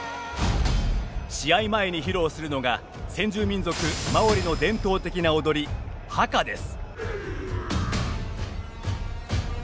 試合前に披露するのが先住民族・マオリの伝統的な踊り、ハカです。